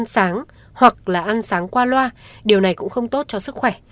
nhiều người không có thói quen ăn sáng hoặc là ăn sáng qua loa điều này cũng không tốt cho sức khỏe